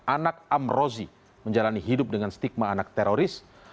anak am rosi menjalani hidup dengan stigma anak teroris